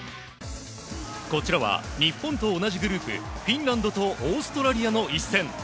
こちらは、日本と同じグループ、フィンランドとオーストラリアの一戦。